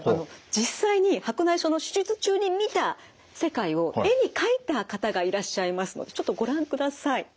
実際に白内障の手術中に見た世界を絵に描いた方がいらっしゃいますのでちょっとご覧ください。